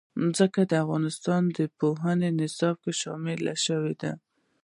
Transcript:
ځمکه د افغانستان د پوهنې نصاب کې شامل دي.